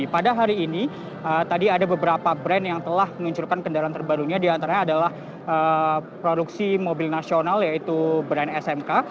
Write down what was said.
pada hari ini tadi ada beberapa brand yang telah meluncurkan kendaraan terbarunya diantaranya adalah produksi mobil nasional yaitu brand smk